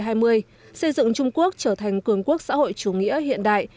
xây dựng trung quốc trở thành cường quốc xã hội chủ nghĩa hiện đại